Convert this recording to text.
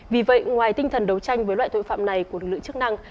vì vậy ngoài tinh thần đấu tranh với loại tội phạm này của lực lượng chức năng